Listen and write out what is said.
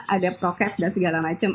ada prokes dan segala macam